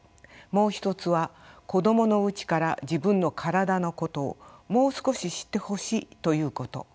もう一つは子どものうちから自分の体のことをもう少し知ってほしいということ。